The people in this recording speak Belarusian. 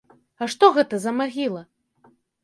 А што гэта за магіла?